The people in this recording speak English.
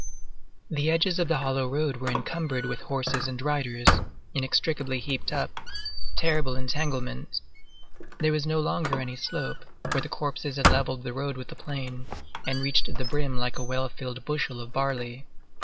The edges of the hollow road were encumbered with horses and riders, inextricably heaped up. Terrible entanglement! There was no longer any slope, for the corpses had levelled the road with the plain, and reached the brim like a well filled bushel of barley.